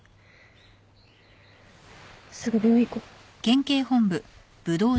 すぐ病院行こ。